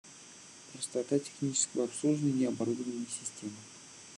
Простота технического обслуживания оборудования и системы